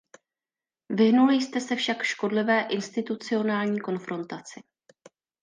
Vyhnuli jste se však škodlivé institucionální konfrontaci.